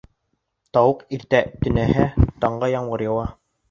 Тауыҡ иртә төнәһә, таңға ямғыр яуа.